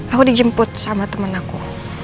aku dijemput sama temen aku